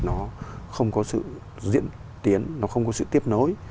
nó không có sự diễn tiến nó không có sự tiếp nối